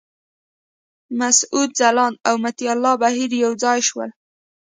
مسعود ځلاند او مطیع الله بهیر یو ځای شول.